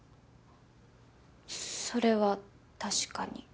それは確かに。